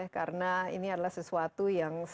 karena ini adalah sesuatu yang